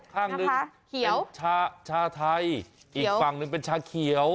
ข้างหนึ่งเขียวชาไทยอีกฝั่งหนึ่งเป็นชาเขียว